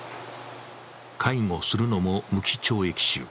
介護するのも無期懲役囚。